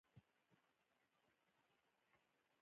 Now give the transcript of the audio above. اسلام زموږ خلکو ته یووالی او حدت وروباښه.